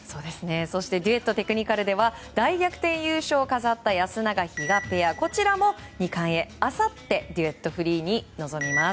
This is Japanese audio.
そしてデュエットテクニカルでは大逆転優勝を飾った安永、比嘉ペアこちらも２冠へ、あさってデュエットフリーに臨みます。